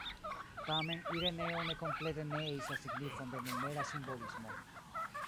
Tamen Ireneo ne komplete neis la signifon de numera simbolismo.